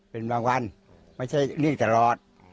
เป็นบางวันไม่ใช่หนี้ตลอด